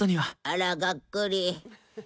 あら、がっかり。